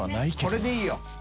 これでいいよ。